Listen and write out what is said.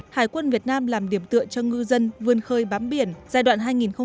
hải quân việt nam làm điểm tựa cho ngư dân vươn khơi bám biển giai đoạn hai nghìn một mươi chín hai nghìn hai mươi